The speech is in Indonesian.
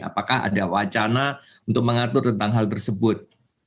apakah ada wacana untuk mengatur tentang hal tersebut